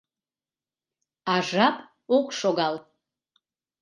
А жап ок шогал.